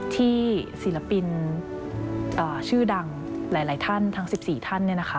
ศิลปินชื่อดังหลายท่านทั้ง๑๔ท่าน